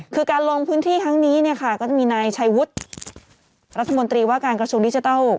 คือการลงพื้นที่ครั้งนี้เนี่ยค่ะก็จะมีนายชัยวุฒิรัฐมนตรีว่าการกระทรวงดิจิทัล